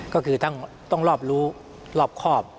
ก็คือต้องรอบรู้รอบครอบ